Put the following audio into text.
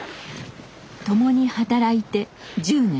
共に働いて１０年。